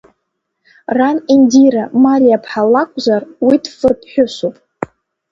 Ран Индира Малиа-ԥҳа лакәзар, уи дфырԥҳәысуп.